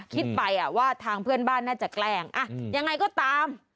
คิดไปว่าทางเพื่อนบ้านน่าจะแกล้งยังไงก็ตาม